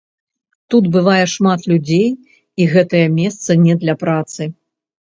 Тут бывае шмат людзей, і гэтае месца не для працы.